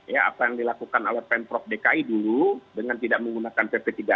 ya apa yang dilakukan oleh pemprov dki dulu dengan tidak menggunakan pp tiga puluh